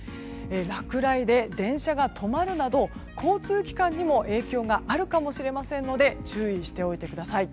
落雷で電車が止まるなど交通機関にも影響があるかもしれませんので注意しておいてください。